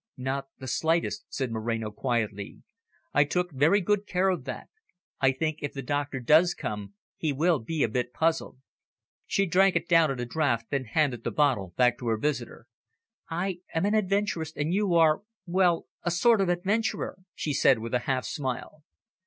"Not the slightest," said Moreno quietly. "I took very good care of that. I think if the doctor does come, he will be a bit puzzled." She drank it down at a draught, then handed the bottle back to her visitor. "I am an adventuress, and you are well a sort of adventurer," she said, with a half smile.